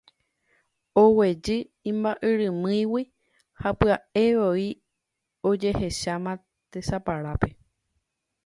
Oguejy imba'yrumýigui ha pya'evoi ojehecháma tesaparápe.